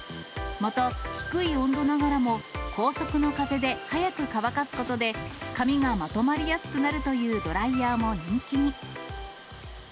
また低い温度ながらも高速の風で早く乾かすことで、髪がまとまりやすくなるというドライヤーも人気に。